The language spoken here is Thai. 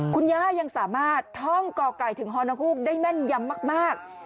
คุณย่ายังสามารถท่องก่อไก่ถึงฮอนกฮูกได้แม่นยำมาก